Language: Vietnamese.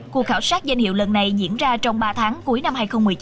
cuộc khảo sát danh hiệu lần này diễn ra trong ba tháng cuối năm hai nghìn một mươi chín